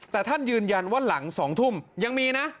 แต่ท่านยืนยันว่าหลัง๒ทุ่มยังมีนะ